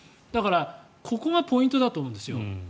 ここがポイントだと思うんですよ。